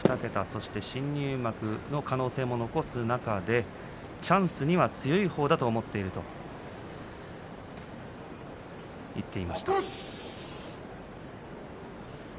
そして新入幕の可能性も残す中でチャンスには強いほうだと思っていると言っていました。